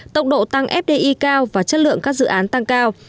tốc độ tăng fdi cao và chất lượng các dự án tăng cao